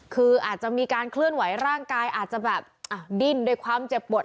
คืออาจจะมีการเคลื่อนไหวร่างกายอาจจะแบบดิ้นด้วยความเจ็บปวด